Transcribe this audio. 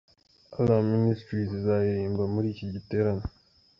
Alarm Ministries izaririmba muri iki giterane.